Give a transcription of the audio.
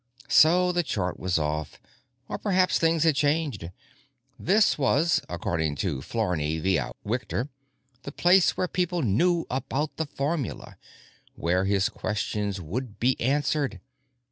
So the chart was off, or perhaps things had changed. This was—according to Flarney via Whitker—the place where people knew about the formula, where his questions would be answered.